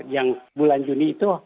yang bulan juni itu